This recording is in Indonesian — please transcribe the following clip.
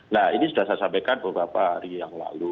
nah ini sudah saya sampaikan beberapa hari yang lalu